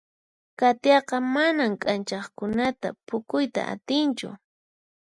Katiaqa manan k'anchaqkunata phukuyta atinchu.